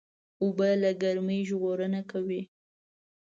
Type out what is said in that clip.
اوبه له ګرمۍ ژغورنه کوي.